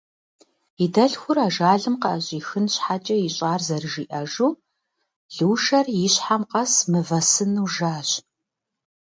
И дэлъхур ажалым къыӏэщӏихын щхьэкӏэ ищӏар зэрыжиӏэжу, Лушэр и щхьэм къэс мывэ сыну жащ.